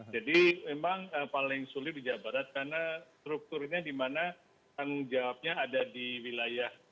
memang paling sulit di jawa barat karena strukturnya di mana tanggung jawabnya ada di wilayah